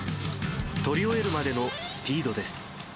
撮り終えるまでのスピードです。